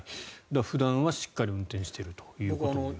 普段はしっかり運転しているということですね。